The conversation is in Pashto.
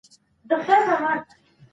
دوی ډېر وخت د ټولني خدمت کړی و.